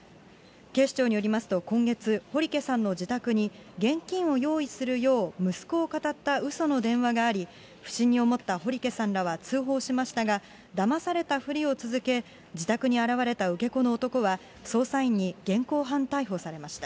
警視庁によりますと、今月、堀家さんの自宅に、現金を用意するよう息子をかたったうその電話があり、不審に思った堀家さんらは通報しましたが、だまされたふりを続け、自宅に現れた受け子の男は、捜査員に現行犯逮捕されました。